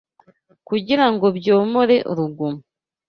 kugira ngo byomore uruguma.